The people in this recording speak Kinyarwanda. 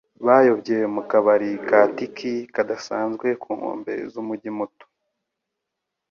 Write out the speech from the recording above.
Bayobye mu kabari ka Tiki kadasanzwe ku nkombe z'umujyi muto.